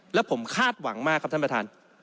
แล้วผมคาดหวังมากครับท่านประธาน